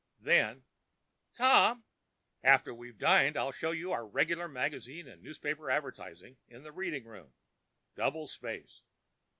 Then——" "Tom!" "After we've dined, I'll show you our regular magazine and newspaper advertising in the reading room—double space.